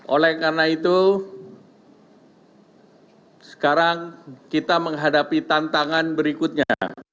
oleh karena itu sekarang kita menghadapi tantangan berikutnya